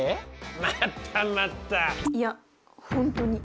またまた！